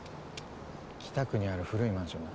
北区にある古いマンションだ。